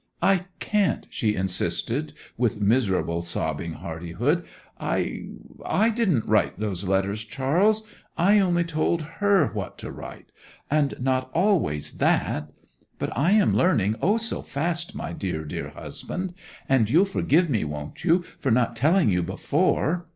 'I can't!' she insisted, with miserable, sobbing hardihood. 'I—I—didn't write those letters, Charles! I only told her what to write! And not always that! But I am learning, O so fast, my dear, dear husband! And you'll forgive me, won't you, for not telling you before?